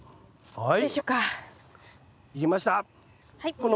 はい。